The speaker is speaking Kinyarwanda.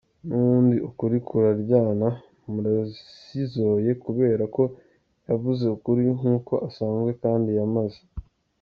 N’ubundi ukuri kuraryana! Murasizoye kubera ko yavuze ukuri nk’uko asanzwe kandi yamaze.